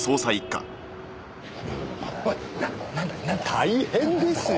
大変ですよ！